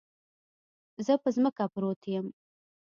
زه پر ځمکه پروت يم.